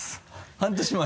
半年前？